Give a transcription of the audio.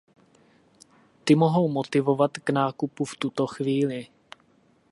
Ty mohou motivovat k nákupu "v tuto chvíli".